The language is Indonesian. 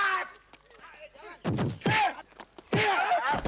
saya ada dijanjikan kayaknya rani